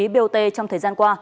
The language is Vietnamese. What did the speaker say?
bản tin một trăm một mươi ba